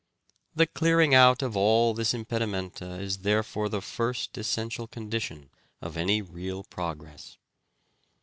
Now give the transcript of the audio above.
The clearing out of all this impedimenta is therefore the first essential condition of any real progress.